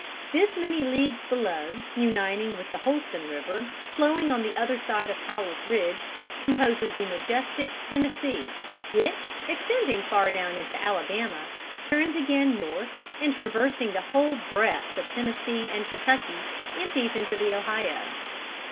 This many leagues below, uniting with the Holston River, flowing on the other side of Powell's Ridge, composes the majestic Tennessee, which, extending far down into Alabama, turns again north, and traversing the whole breadth of Tennessee and Kentucky, empties into the Ohio.